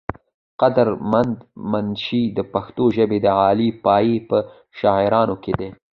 قدر مند منشي د پښتو ژبې د اعلى پائي پۀ شاعرانو کښې دے ۔